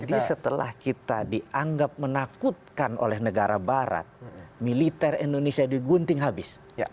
jadi setelah kita dianggap menakutkan oleh negara barat militer indonesia digunting habis